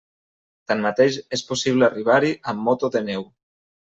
Tanmateix és possible arribar-hi amb moto de neu.